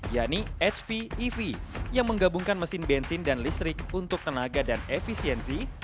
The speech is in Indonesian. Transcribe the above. yakni hv ev yang menggabungkan mesin bensin dan listrik untuk tenaga dan efisiensi